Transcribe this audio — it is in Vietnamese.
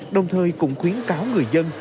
đồng thời cũng khuyến cáo người dân